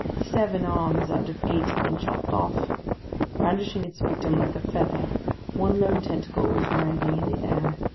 Seven arms out of eight had been chopped off. Brandishing its victim like a feather, one lone tentacle was writhing in the air.